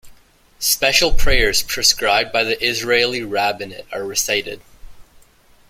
Special prayers prescribed by the Israeli rabbinate are recited.